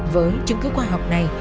với chứng cứ khoa học này